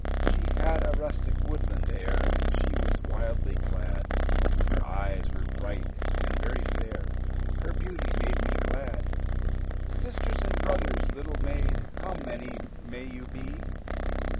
She had a rustic, woodland air, And she was wildly clad; Her eyes were bright, and very fair Her beauty made me glad. "Sisters and brothers, little maid, How many may you be?"